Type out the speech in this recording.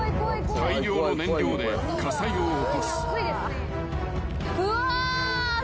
［大量の燃料で火災を起こす］